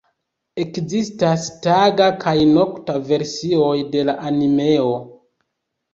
Ekzistas taga kaj nokta versioj de la animeo.